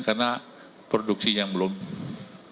karena produksi yang belum ada